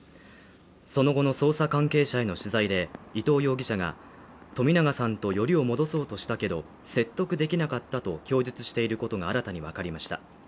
その後の捜査関係者への取材で伊藤容疑者が冨永さんと寄りを戻そうとしたけど、説得できなかったと供述していることが新たにわかりました。